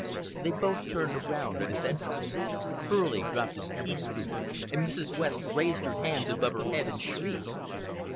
They both turned around at his entrance. Furley dropped his teaspoon and Mrs. West raised her hands above her head and shrieked.